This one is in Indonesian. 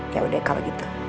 ya udah kalau gitu